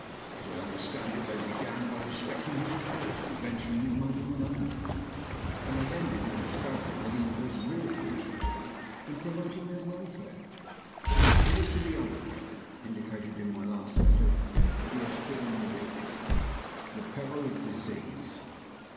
As I understand it, they began by respecting his courage in venturing among them alone; and they ended in discovering that he was really interested in promoting their welfare. It is to the other peril, indicated in my last letter, that he has fallen a victim the peril of disease.